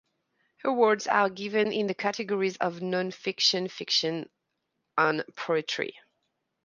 Awards are given in the categories of Nonfiction, Fiction, and Poetry.